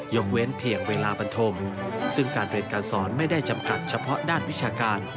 เว้นเพียงเวลาบันทมซึ่งการเรียนการสอนไม่ได้จำกัดเฉพาะด้านวิชาการ